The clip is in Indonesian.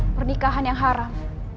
pernikahan yang haram